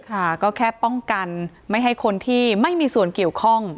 ค่ะก็แค่ป้องกันไม่ให้คนที่ไม่มีส่วนเกี่ยวข้อง